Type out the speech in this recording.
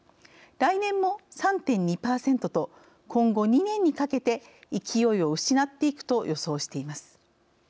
来年も３．２％と今後２年にかけて勢いを失っていくと予想しています。